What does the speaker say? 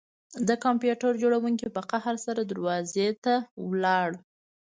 د کمپیوټر جوړونکي په قهر سره دروازې ته لاړ